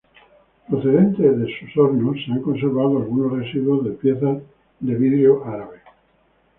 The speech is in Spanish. Procedente de sus hornos se han conservado algunos residuos de piezas de vidrio árabe.